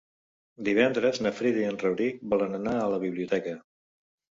Divendres na Frida i en Rauric volen anar a la biblioteca.